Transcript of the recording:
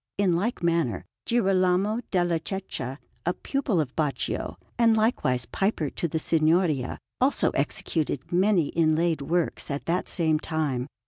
In like manner, Girolamo della Cecca, a pupil of Baccio and likewise piper to the Signoria, also executed many inlaid works at that same time.